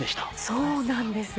そうなんです。